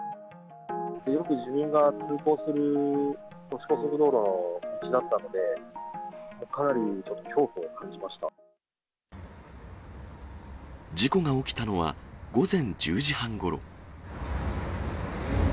よく自分が通行する高速道路の道だったので、かなり恐怖を感じま事故が起きたのは午前１０時半ごろ。